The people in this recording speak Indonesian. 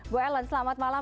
bu ellen selamat malam